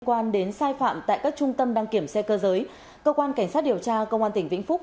quan đến sai phạm tại các trung tâm đăng kiểm xe cơ giới cơ quan cảnh sát điều tra công an tỉnh vĩnh phúc